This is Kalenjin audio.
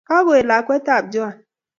Kakoet lakwet ab Joan.